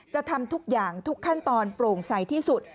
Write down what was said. ทำทุกอย่างทุกขั้นตอนโปร่งใสที่สุด